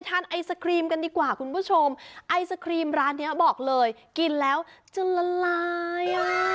ไอศครีมกันดีกว่าคุณผู้ชมไอศครีมร้านเนี้ยบอกเลยกินแล้วจะละลายอ่ะ